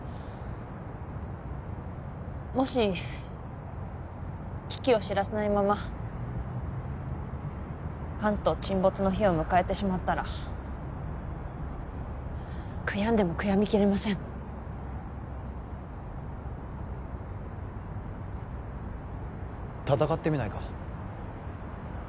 もし危機を知らせないまま関東沈没の日を迎えてしまったら悔やんでも悔やみきれません戦ってみないか？